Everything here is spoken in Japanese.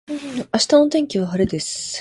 明日の天気は晴れです